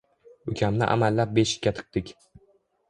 Ukamni amallab beshikka tiqdik.